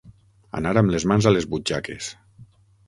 Anar amb les mans a les butxaques.